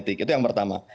itu yang pertama